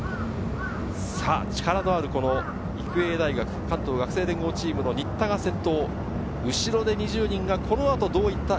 さぁ、力のある育英大学関東学生連合チームの新田が先頭。